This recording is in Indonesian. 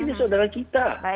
ini saudara kita